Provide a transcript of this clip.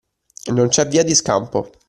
Non c'è via di scampo.